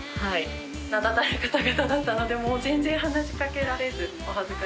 名だたる方々だったので全然話し掛けられずお恥ずかしいかぎりですが。